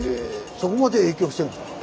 そこまで影響してるんですか。